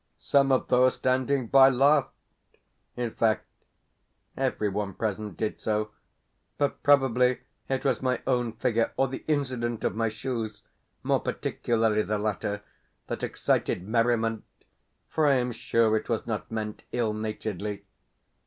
Some of those standing by laughed in fact every one present did so, but probably it was my own figure or the incident of my shoes more particularly the latter that excited merriment, for I am sure it was not meant ill naturedly.